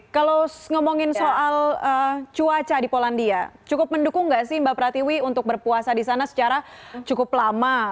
kalau ngomongin soal cuaca di polandia cukup mendukung nggak sih mbak pratiwi untuk berpuasa di sana secara cukup lama